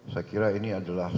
saya kira ini adalah